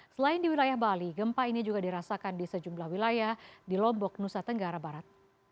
selain di wilayah bali gempa ini juga dirasakan di sejumlah wilayah di lombok nusa tenggara barat